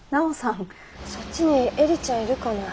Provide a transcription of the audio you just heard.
そっちに映里ちゃんいるかな。